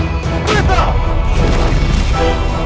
gajah meta dengan sempurna